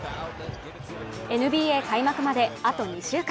ＮＢＡ開幕まであと２週間。